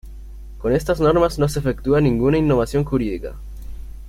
Con estas normas no se efectúa ninguna innovación jurídica.